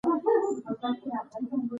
باسواده ښځې د هیواد ساتنه خپل فرض ګڼي.